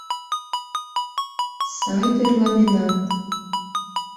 Сай тӧрланенат.